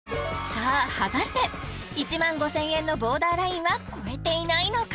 さあ果たして１万５０００円のボーダーラインは超えていないのか？